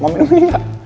mau minum ini nggak